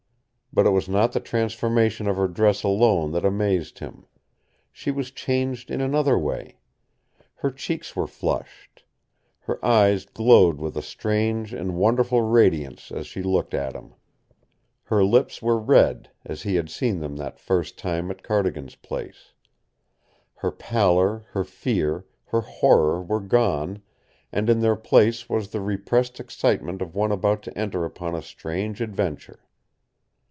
But it was not the transformation of her dress alone that amazed him. She was changed in another way. Her cheeks were flushed. Her eyes glowed with a strange and wonderful radiance as she looked at him. Her lips were red, as he had seen them that first time at Cardigan's place. Her pallor, her fear, her horror were gone, and in their place was the repressed excitement of one about to enter upon a strange adventure.